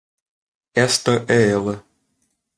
Esta é ela.